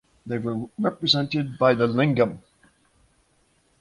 They were represented by the "lingam".